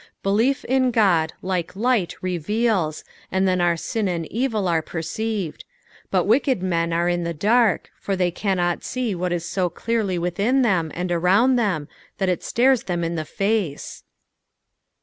Belief in God, like light reveals, and then our sin and evil are perceived ; but wicked men are in the dark, for they cannot see what is so clearly within them and around them thut it stares them in the face.